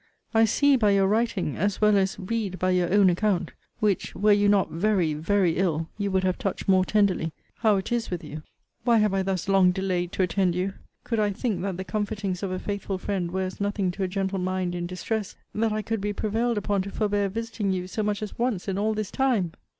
I see by your writing, as well as read by your own account, (which, were you not very, very ill, you would have touched more tenderly,) how it is with you! Why have I thus long delayed to attend you! Could I think, that the comfortings of a faithful friend were as nothing to a gentle mind in distress, that I could be prevailed upon to forbear visiting you so much as once in all this time!